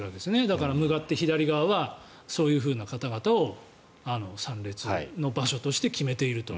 だから向かって左側はそういう方々を参列の場所として決めていると。